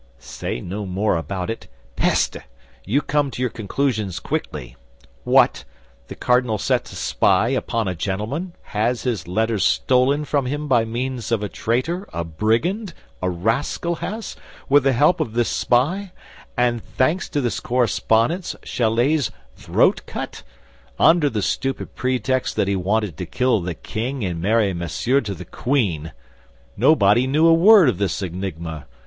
"Say no more about it! Peste! You come to your conclusions quickly. What! The cardinal sets a spy upon a gentleman, has his letters stolen from him by means of a traitor, a brigand, a rascal—has, with the help of this spy and thanks to this correspondence, Chalais's throat cut, under the stupid pretext that he wanted to kill the king and marry Monsieur to the queen! Nobody knew a word of this enigma.